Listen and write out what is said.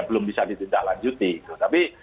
belum bisa ditindaklanjuti tapi